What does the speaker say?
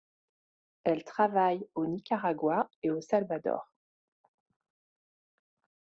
Elle travaille au Nicaragua et au Salvador.